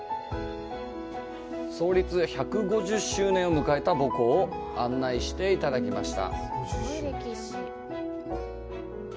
創立１５０周年を迎えた母校を案内していただきました。